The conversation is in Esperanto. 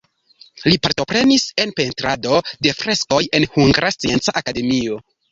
Li partoprenis en pentrado de freskoj en Hungara Scienca Akademio.